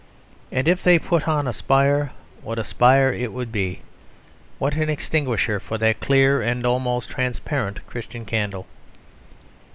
And if they put on a spire, what a spire it would be! What an extinguisher for that clear and almost transparent Christian candle!